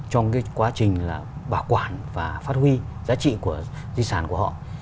trong cái quá trình bảo quản và phát huy giá trị của di sản của họ